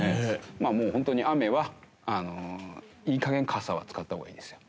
まあホントに雨はいい加減傘は使った方がいいですよ。